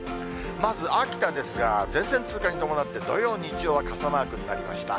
まず秋田ですが、前線通過に伴って土曜、日曜は傘マークになりました。